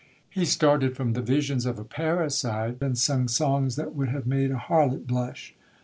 He started from the visions of a parricide, and sung songs that would have made a harlot blush.